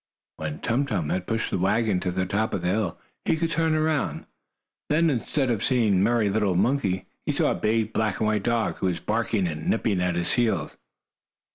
When Tum Tum had pushed the wagon to the top of the hill, he could turn around. Then, instead of seeing the merry little monkey, he saw a big black and white dog, who was barking and nipping at his heels.